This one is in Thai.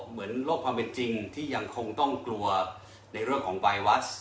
เหมือนโรคความเป็นจริงที่ยังคงต้องกลัวในเรื่องของไวรัส